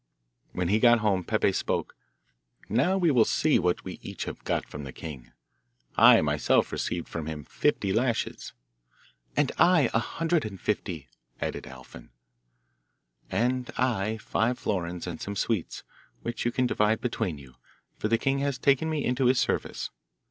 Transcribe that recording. When he got home Peppe spoke: 'Now we will see what we each have got from the king. I myself received from him fifty lashes.' 'And I a hundred and fifty,' added Alfin. 'And I five florins and some sweets, which you can divide between you, for the king has taken me into his service.